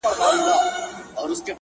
څړیکه وم د درد، چې د پرهر له دارې ووتم